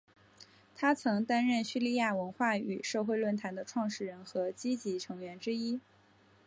他曾担任叙利亚文化与社会论坛的创始人和积极成员之一。